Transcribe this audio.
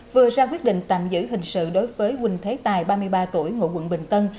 vừa ra quyết định tạm giữ hình sự đối với quỳnh thế tài ba mươi ba tuổi ngụ quận bình tân